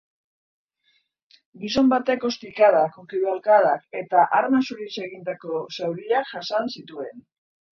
Gizon batek ostikadak, ukabilkadak eta arma zuriz eragindako zauriak jasan zituen.